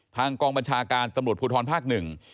ทางกองบัญชาการตำรวจภูทรภาคหนึ่ง